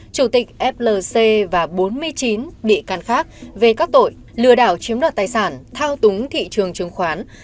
chủ tịch flc và bốn mươi chín bị can khác về các tội lừa đảo chiếm đoạt tài sản thao túng thị trường chứng khoán